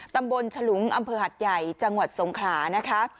ตำบลฉลุงอำเภอหัดใหญ่จังหวัดสงขลานะคะ